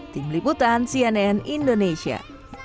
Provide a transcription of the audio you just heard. tim liputan cnn indonesia